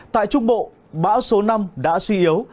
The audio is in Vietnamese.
tại trung bộ bão số năm đã suy yếu